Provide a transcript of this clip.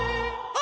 あ！